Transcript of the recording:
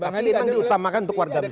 tapi memang diutamakan untuk warga biasa